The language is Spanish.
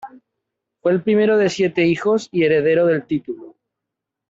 Fue el primero de siete hijos y heredero del título.